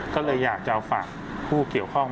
ก็เลยอยากจะฝากผู้เกี่ยวข้อง